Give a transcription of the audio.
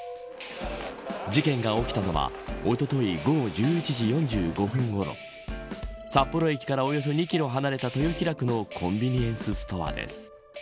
事件が起きたのはおととい、午後１１時４５分ごろ札幌駅からおよそ２キロ離れたという豊平区のコンビニエンスストアです。